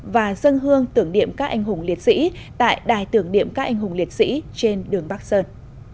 và dân hương tưởng niệm các anh hùng liệt sĩ tại đài tưởng điểm các anh hùng liệt sĩ trên đường bắc sơn